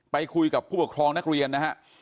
ไปคุยกับผู้ปกครองนักเรียนนะฮะ